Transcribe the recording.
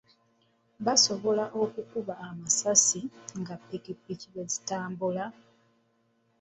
Basobola okukuba amasasi nga ppikipiki bwe zitambula.